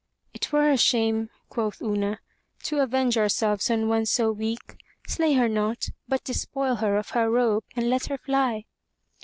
"It were a shame," quoth Una, "to avenge ourselves on one so weak. Slay her not, but despoil her of her robe and let her fly."